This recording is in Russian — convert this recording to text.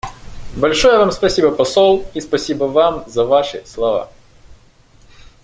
Большое Вам спасибо посол, и спасибо Вам за Ваши слова.